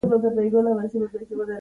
نور دې خپل زړه که ځې یا نه